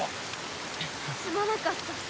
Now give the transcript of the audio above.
すまなかった。